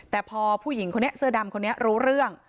แต่พอผู้หญิงคนนี้เสื้อดำคนนี้รู้เรื่อง